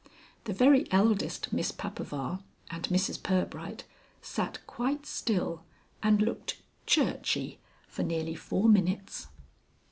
The very eldest Miss Papaver and Mrs Pirbright sat quite still and looked churchy for nearly four minutes.